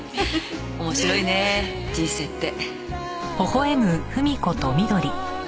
面白いね人生って。